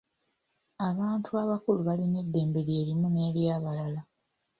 Abantu abakulu balina eddembe lye limu n'eryabalala.